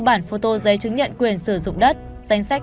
một bảy trăm tám mươi bốn bản phô tô giấy chứng nhận quyền sử dụng đất